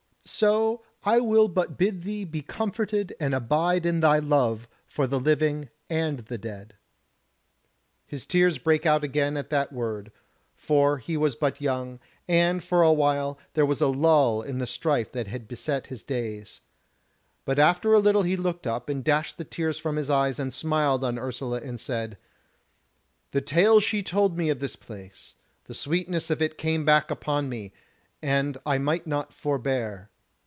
So I will but bid thee be comforted and abide in thy love for the living and the dead." His tears brake out again at that word, for he was but young, and for a while there was a lull in the strife that had beset his days. But after a little he looked up, and dashed the tears from his eyes and smiled on Ursula and said: "The tale she told me of this place, the sweetness of it came back upon me, and I might not forbear."